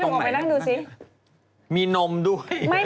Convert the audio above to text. ถามว่านี่ทีมัวแล้วมีนมด้วย